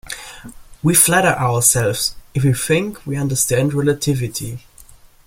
We flatter ourselves if we think we understand relativity.